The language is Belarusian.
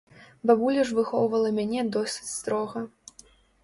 Бабуля ж выхоўвала мяне досыць строга.